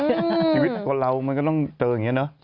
ชีวิตคนเรามันก็ต้องเจออย่างนี้เนอะ